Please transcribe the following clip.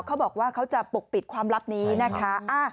เขาบอกว่าเขาจะปกปิดความลับนี้นะคะ